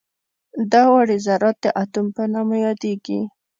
دا وړې ذرات د اتوم په نامه یادیږي.